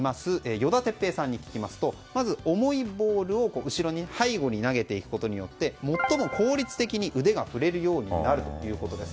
依田徹平さんに聞きますとまず重いボールを背後に投げていくことによって最も効率的に腕が振れるようになるということです。